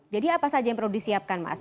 jadi apa saja yang perlu disiapkan mas